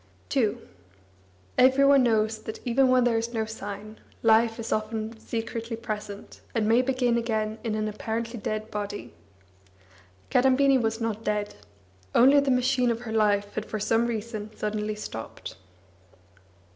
II Every one knows that, even when there is no sign, life is often secretly present, and may begin again in an apparently dead body. Kadambini was not dead; only the machine of her life had for some reason suddenly stopped.